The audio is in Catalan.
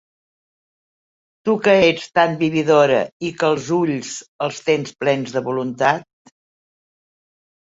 Tu que ets tan vividora i que els ulls els tens plens de voluntat...